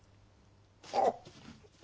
あっ！